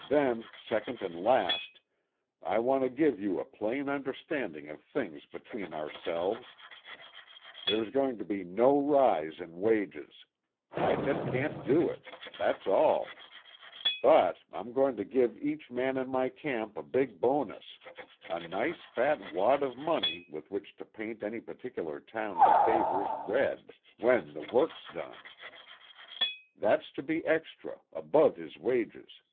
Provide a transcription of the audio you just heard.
Then, second and last, I want to give you a plain understanding of things between ourselves. There's going to be no rise in wages. I just can't do it. That's all. But I'm going to give each man in my camp a big bonus, a nice fat wad of money with which to paint any particular town he favors red, when the work's done. That's to be extra, above his wages.